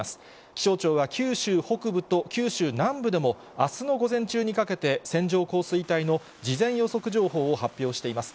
気象庁は九州北部と九州南部でも、あすの午前中にかけて線状降水帯の事前予測情報を発表しています。